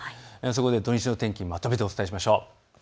そこで土日の天気をまとめてお伝えしましょう。